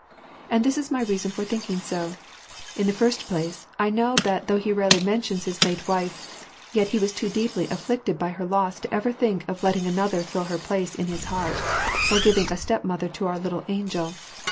And this is my reason for thinking so: in the first place, I know tliat though he rarely mentions his late wife, yet he was too deeply afflicted by her loss ever to think of letting another fill her place in his heart, or of gtv* ing a stepmother to our little angel.